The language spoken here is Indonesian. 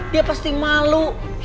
dia pasti malu